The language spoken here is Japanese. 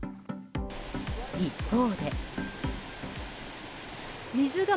一方で。